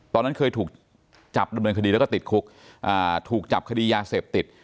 ตอนนั้นเคยถูกจับดำเนินคดีแล้วก็ติดคุกถูกจับคดียาเสพติด